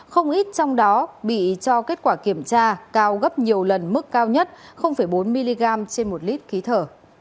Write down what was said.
không ít trong đó bị cho kết quả kiểm tra cao gấp nhiều lần mức cao nhất bốn mg trên một lít khí thở